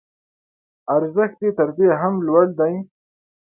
ارزښت یې تر دې هم لوړ دی.